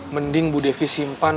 mending bu devi simpan